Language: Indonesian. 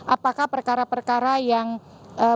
apakah perkara perkara yang